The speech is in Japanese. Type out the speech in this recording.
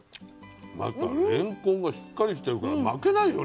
またれんこんがしっかりしてるから負けないよね